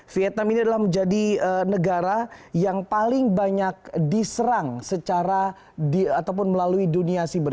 vietnam ini adalah menjadi negara yang paling banyak diserang secara ataupun melalui dunia siber